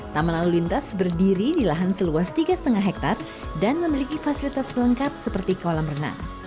taman lalu lintas berdiri di lahan seluas tiga lima hektare dan memiliki fasilitas pelengkap seperti kolam renang